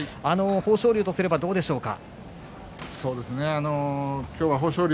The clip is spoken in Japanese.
豊昇龍とすればどうでしょうか。